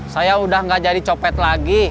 saya udah gak jadi copet lagi